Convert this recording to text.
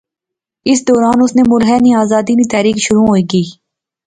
اسے دوران اس نے ملخے نی آزادی نی تحریک شروع ہوئی گئی